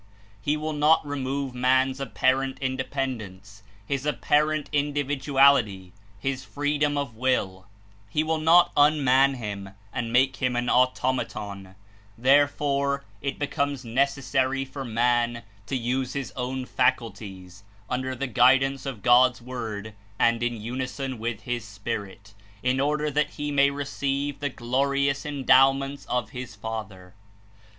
He will not remove man's apparent in dependence, his apparent individuality, his freedom of will; he will not unman him and make him an au tomaton; therefore it becomes necessary for man to use his own faculties, under the guidance of God's Word and in unison with his Spirit, in order that he may receive the glorious endowments of his Father.